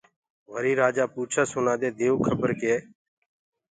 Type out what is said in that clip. وريٚ رآجآ پوٚڇس اُنآدي ديئو کبر ڪي